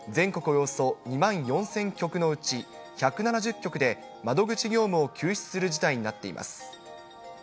およそ２万４０００局のうち、１７０局で窓口業務を休止する事態になっています。